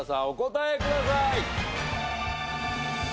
お答えください。